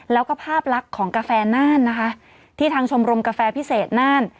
แล้วก็ภาพลักษณ์ของกาแฟน่านนะคะที่ทางชมรมกาแฟพิเศษน่าน